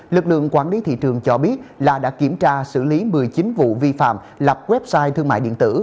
lực lượng quản lý thị trường cho biết là đã kiểm tra xử lý một mươi chín vụ vi phạm lập website thương mại điện tử